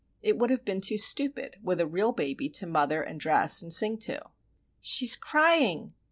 It would have been too stupid, with a real baby to mother, and dress, and sing to. "She's crying!"